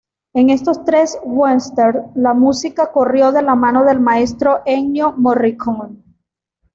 En estos tres westerns, la música corrió de la mano del maestro Ennio Morricone.